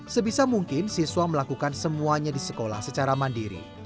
sebisa mungkin siswa melakukan semuanya di sekolah secara mandiri